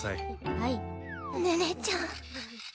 はい寧々ちゃん